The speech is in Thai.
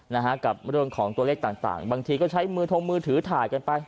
นะฮะกับเรื่องของตัวเลขต่างต่างบางทีก็ใช้มือทงมือถือถ่ายกันไป